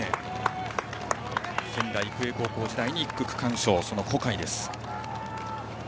仙台育英高校時代に１区、区間賞その小海です。